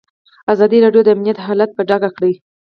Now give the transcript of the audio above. ازادي راډیو د امنیت حالت په ډاګه کړی.